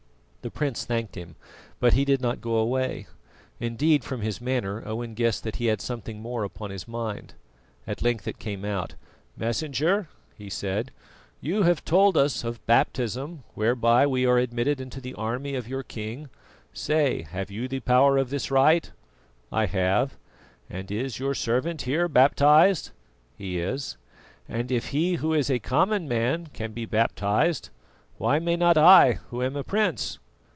The prince thanked him, but he did not go away. Indeed, from his manner Owen guessed that he had something more upon his mind. At length it came out. "Messenger," he said, "you have told us of baptism whereby we are admitted into the army of your King; say, have you the power of this rite?" "I have." "And is your servant here baptised?" "He is." "Then if he who is a common man can be baptised, why may not I who am a prince?"